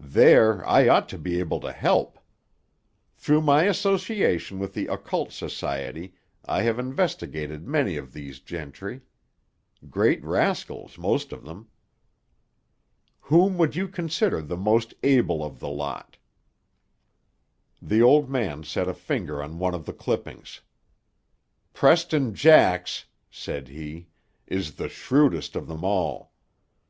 "There I ought to be able to help. Through my association with the occult society I have investigated many of these gentry. Great rascals, most of them." "Whom would you consider the most able of the lot?" The old man set a finger on one of the clippings. "Preston Jax," said he, "is the shrewdest of them all.